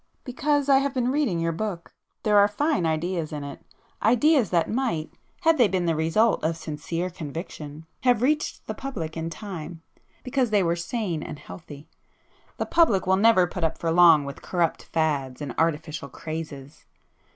"Because I have been reading your book. There are fine ideas in it,—ideas that might, had they been the result of sincere conviction, have reached the public in time, because they were sane and healthy. The public will never put up for [p 257] long with corrupt 'fads' and artificial 'crazes.